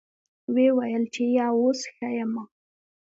ويې ويل چې يه اوس ښه يمه.